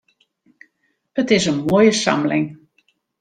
It is in moaie samling.